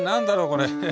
これ。